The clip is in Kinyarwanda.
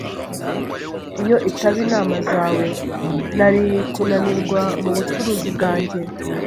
Iyo itaba inama zawe, nari kunanirwa mubucuruzi bwanjye.